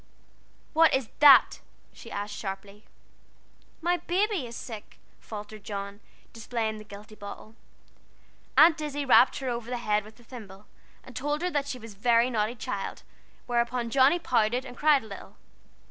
"What is that?" she asked sharply. "My baby is sick," faltered John, displaying the guilty bottle. Aunt Izzie rapped her over the head with a thimble, and told her that she was a very naughty child, whereupon Johnnie pouted, and cried a little.